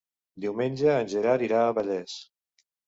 Diumenge en Gerard irà a Vallés.